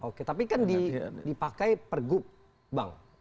oke tapi kan dipakai pergub bang